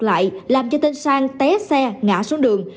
lại làm cho tên sang té xe ngã xuống đường